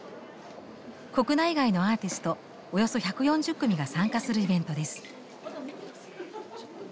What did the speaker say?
国内外のアーティストおよそ１４０組が参加するイベントです。